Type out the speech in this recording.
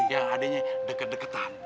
yang adanya deket deketan